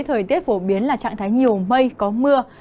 thời tiết phổ biến là trạng thái nhiều mây có mưa